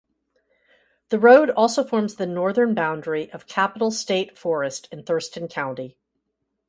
The road also forms the northern boundary of Capitol State Forest in Thurston County.